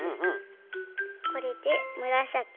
これでむらさき。